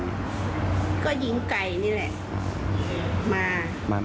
ก็ยิงไก่นี่แหละ